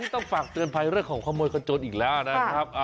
ต้องฝากเตือนภัยเรื่องของขโมยขจนอีกแล้วนะครับ